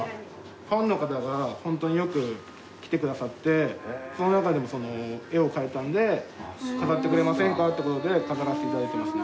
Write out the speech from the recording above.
ファンの方がホントによく来てくださってその中でも絵を描いたんで飾ってくれませんかって事で飾らせて頂いてますね。